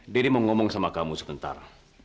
deddy mau ngomong sama kamu sebentar